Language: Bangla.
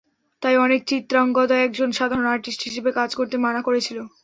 তাই অনেকে চিত্রাঙ্গদায় একজন সাধারণ আর্টিস্ট হিসেবে কাজ করতে মানা করেছিল।